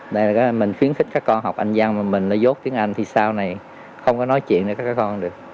đây là cái mình khuyến khích các con học anh văn mà mình nó dốt tiếng anh thì sau này không có nói chuyện với các con được